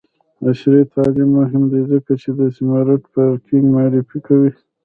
عصري تعلیم مهم دی ځکه چې د سمارټ فارمینګ معرفي کوي.